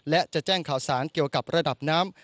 และจะแจ้งข่าวสารเกี่ยวกับระดับน้ำ